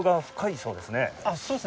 そうですね。